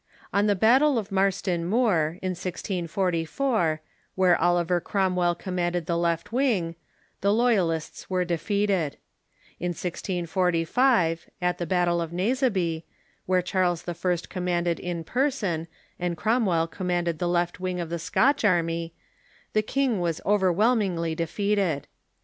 In the battle of Marston Moor, in 1044, M'here Oliver Cromwell commanded the left wing, the Loyalists were defeated. In 1645, at the battle of Naseby, where Charles I. commanded in person, and Cromwell commanded the left wing of the Scotch army, the king was overwhelmingly defeated.